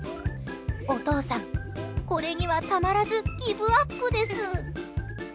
お父さん、これにはたまらずギブアップです。